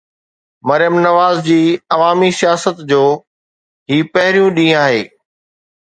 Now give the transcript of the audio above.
مريم نواز جي عوامي سياست جو هي پهريون ڏينهن آهي.